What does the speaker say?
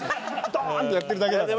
ドーンってやってるだけだから。